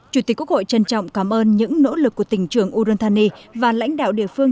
chủ tịch quốc hội trân trọng cảm ơn những nỗ lực của tỉnh trường udon thani và lãnh đạo địa phương